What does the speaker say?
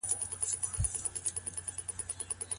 ایا په کلو کي د نجونو لپاره ښوونځي فعال دي؟